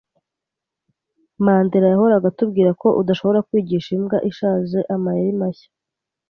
Mandera yahoraga atubwira ko udashobora kwigisha imbwa ishaje amayeri mashya.